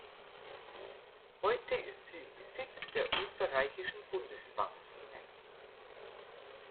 Heute ist sie im Besitz der Österreichischen Bundesbahnen.